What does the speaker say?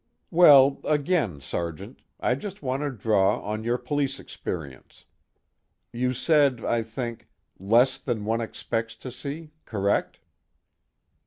"Well, again, Sergeant, I just want to draw on your police experience. You said, I think, 'less than one expects to see' correct?"